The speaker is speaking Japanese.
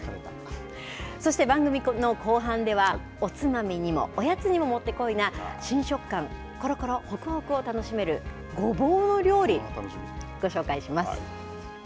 そして番組の後半ではおつまみにもおやつにももってこいな、新食感、コロコロ、ほくほくを楽しめるごぼうの料理、ご紹介します。